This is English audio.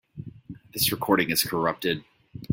This recording is corrupted.